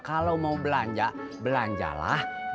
kalau mau belanja belanjalah